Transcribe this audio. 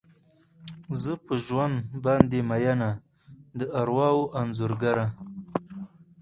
زه په ژوند باندې میینه، د ارواوو انځورګره